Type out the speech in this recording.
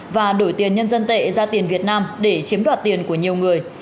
và đổi tiền nhân dân tệ ra tiền việt nam để chiếm đoạt tiền của nhiều người